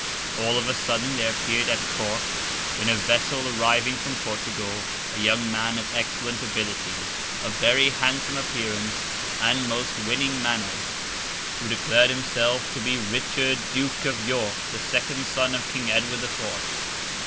All of a sudden there appeared at Cork, in a vessel arriving from Portugal, a young man of excellent abilities, of very handsome appearance and most winning manners, who declared himself to be Richard, Duke of York, the second son of King Edward the Fourth.